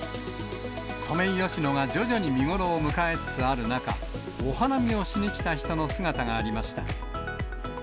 ソメイヨシノが徐々に見頃を迎えつつある中、お花見をしに来た人の姿がありました。